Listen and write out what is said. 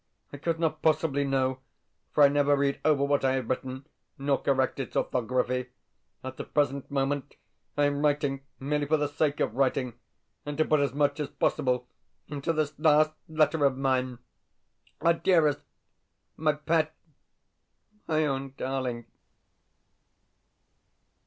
I could not possibly know, for I never read over what I have written, nor correct its orthography. At the present moment, I am writing merely for the sake of writing, and to put as much as possible into this last letter of mine.... Ah, dearest, my pet, my own darling!...